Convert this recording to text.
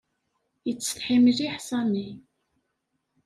Ittsetḥi mliḥ Sami.